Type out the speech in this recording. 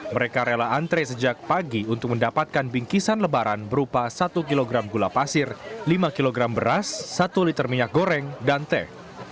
mereka rela antre sejak pagi untuk mendapatkan bingkisan lebaran berupa satu kg gula pasir lima kg beras satu liter minyak goreng dan teh